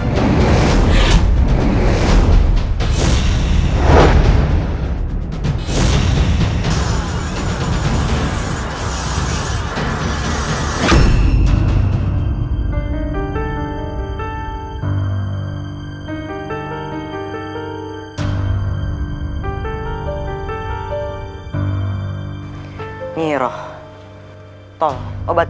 kau tidak punya waktu lagi